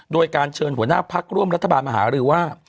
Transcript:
โดยการเชิญหัวหน้าพักร่วมรัฐบาลมาหารือว่า